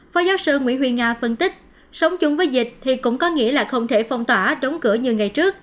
phó giáo sư nguyễn huy nga phân tích sống chung với dịch thì cũng có nghĩa là không thể phong tỏa đóng cửa như ngày trước